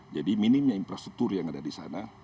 jadi minimnya infrastruktur yang ada di sana